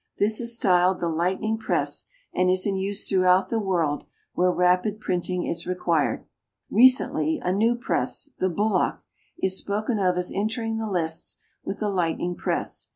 This is styled the Lightning Press, and is in use throughout the world, where rapid printing is required. Recently a new press, the Bullock, is spoken of as entering the lists with the Lightning Press.